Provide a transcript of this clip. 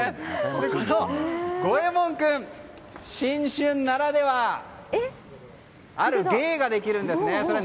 このゴエモン君、新春ならではある芸ができるんですね。